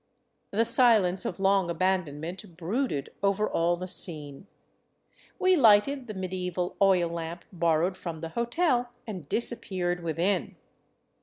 The silence of long aban donment brooded over all the scene. We lighted the medieval oil lamp borrowed from the hotel, and disappeared within.